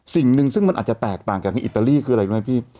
สิ่งหนึ่งซึ่งมันอาจจะแตกต่างจากที่อิตาลีคืออะไรรู้ไหมพี่